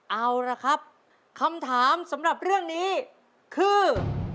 เอาละครับคำถามสำหรับเรื่องนี้คือ